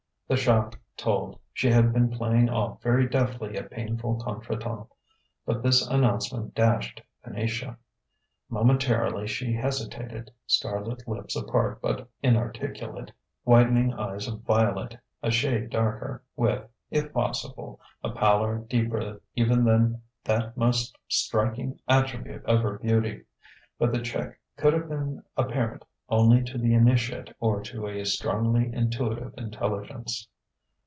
The shock told; she had been playing off very deftly a painful contretemps, but this announcement dashed Venetia. Momentarily she hesitated, scarlet lips apart but inarticulate, widening eyes of violet a shade darker, with if possible a pallor deeper even than that most striking attribute of her beauty. But the check could have been apparent only to the initiate or to a strongly intuitive intelligence.